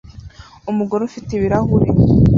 Umugore ufite ibirahure